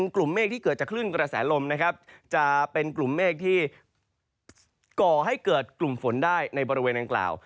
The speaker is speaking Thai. กลุ่มเมฆที่ก่อให้เกิดกลุ่มฝนได้ในบริเวณอังกล่าว